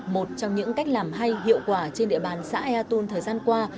một trong những cách làm hay hiệu quả trên địa bàn xã ea tôn thời gian qua